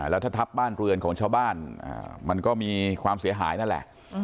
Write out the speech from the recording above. แล้วถ้าทับบ้านเรือนของชาวบ้านมันก็มีความเสียหายนั่นแหละ